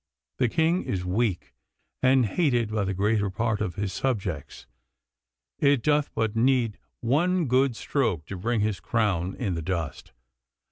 The King is weak, and hated by the greater part of his subjects. It doth but need one good stroke to bring his crown in the dust.